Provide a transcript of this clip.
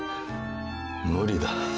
無理だ。